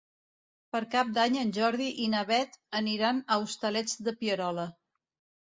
Per Cap d'Any en Jordi i na Beth aniran als Hostalets de Pierola.